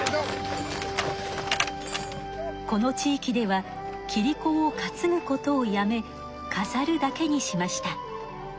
この地域ではキリコを担ぐことをやめかざるだけにしました。